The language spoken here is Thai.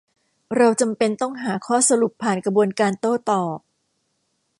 เราจำเป็นต้องหาข้อสรุปผ่านกระบวนการโต้ตอบ